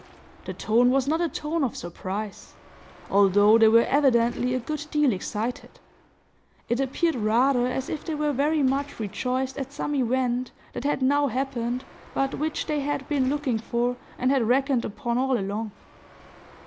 The tone was not a tone of surprise, although they were evidently a good deal excited; it appeared rather as if they were very much rejoiced at some event that had now happened, but which they had been looking for, and had reckoned upon all along.